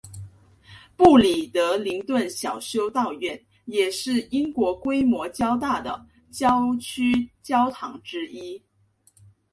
布里德灵顿小修道院也是英国规模较大的教区教堂之一。